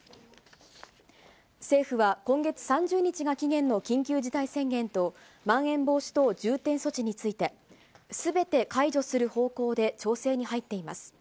政府は今月３０日が期限の緊急事態宣言と、まん延防止等重点措置について、すべて解除する方向で調整に入っています。